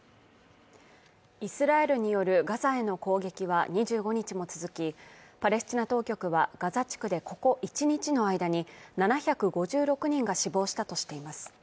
イスラエルによるガザへの攻撃は２５日も続きパレスチナ当局はガザ地区でここ１日の間に７５６人が死亡したとしています